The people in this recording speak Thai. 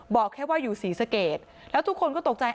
บอกแค่ว่าอยู่ศรีสเกตแล้วทุกคนก็ตกใจ